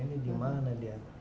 ini perusahaan ini di mana dia